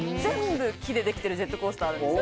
でできてるジェットコースターなんです。